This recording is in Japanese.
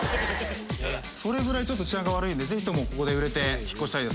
それぐらいちょっと治安が悪いんでぜひともここで売れて引っ越したいですね。